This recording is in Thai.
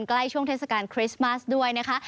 ใกล้ช่วงเทศกาลคริสต์มาสด้วยนะคะ